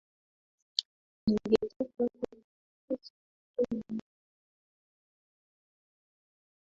Ningetaka kukumaliza lakini mimi si mnyama